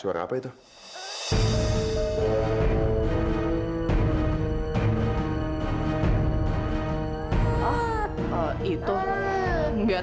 dari tadi dia nangis mulu